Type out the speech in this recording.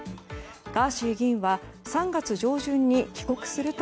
ガーシー議員は３月上旬に帰国すると